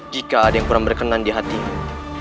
jika ada yang kurang berkenan di hatimu